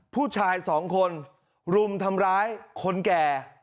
ผู้ชายสองคนรุมทำร้ายคนแก่